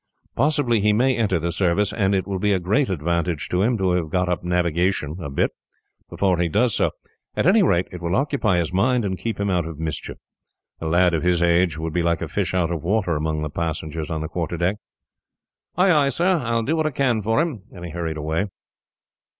Possibly he may enter the Service, and it will be a great advantage to him to have got up navigation, a bit, before he does so. At any rate, it will occupy his mind and keep him out of mischief. A lad of his age would be like a fish out of water, among the passengers on the quarterdeck." "Ay, ay, sir. I will do what I can for him." And he hurried away.